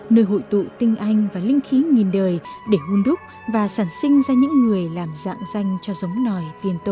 nơi hội tụ tinh anh và linh khí nghìn đời để hôn đúc và sản sinh ra những người làm dạng danh cho giống nòi tiền tổ